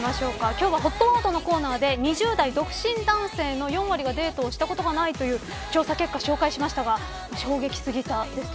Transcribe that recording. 今日はＨＯＴワードのコーナーで２０代男性の４割がデートをしたことがないという結果を紹介しました。